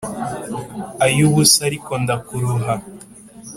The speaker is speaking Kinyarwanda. Ay’ubusa ariko ndakuroha